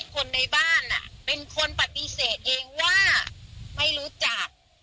คนในบ้านเป็นคนปฏิเสธเองว่าไม่รู้จัก